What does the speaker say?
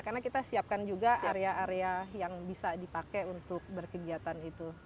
karena kita siapkan juga area area yang bisa dipakai untuk berkegiatan itu